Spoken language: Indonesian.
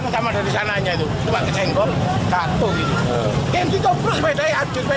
cukupnya tidak apa apa